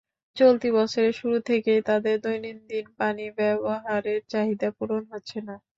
চলতি বছরের শুরু থেকেই তাদের দৈনন্দিন পানি ব্যবহারের চাহিদা পূরণ হচ্ছে না।